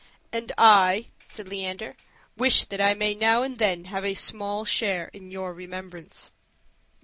"And I," said Leander, "wish that I may now and then have a small share in your remembrance."